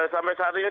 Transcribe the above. sampai saat ini tidak